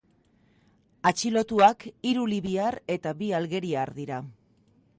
Atxilotuak hiru libiar eta bi algeriar dira.